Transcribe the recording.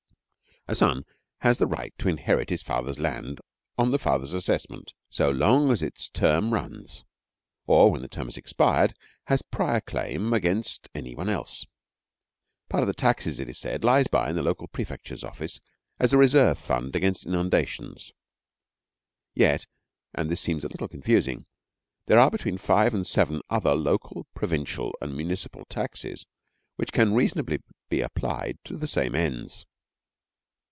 A son has the right to inherit his father's land on the father's assessment, so long as its term runs, or, when the term has expired, has a prior claim as against any one else. Part of the taxes, it is said, lies by in the local prefecture's office as a reserve fund against inundations. Yet, and this seems a little confusing, there are between five and seven other local, provincial, and municipal taxes which can reasonably be applied to the same ends.